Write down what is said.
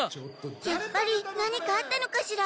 やっぱり何かあったのかしら？